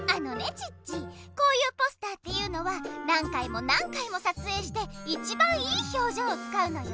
チッチこういうポスターっていうのは何回も何回もさつえいして一番いいひょうじょうをつかうのよ。